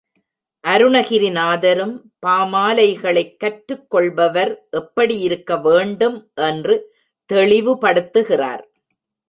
அருணகிரிநாதரும் பாமாலைகளைக் கற்றுக் கொள்பவர் எப்படி இருக்க வேண்டும் என்று தெளிவுபடுத்துகிறார்.